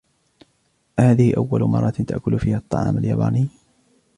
أهذه أول مرة تأكل فيها الطعام الياباني ؟